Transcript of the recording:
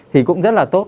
thì cũng rất là tốt